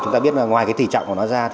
chúng ta biết ngoài tỉ trọng của nó ra